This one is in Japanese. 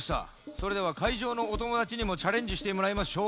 それではかいじょうのおともだちにもチャレンジしてもらいましょう。